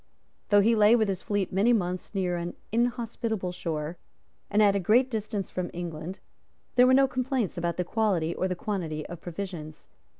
Though he lay with his fleet many months near an inhospitable shore, and at a great distance from England, there were no complaints about the quality or the quantity of provisions.